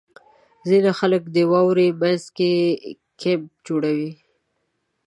• ځینې خلک د واورې مینځ کې کیمپ جوړوي.